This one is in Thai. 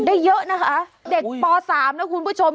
เยอะนะคะเด็กป๓นะคุณผู้ชม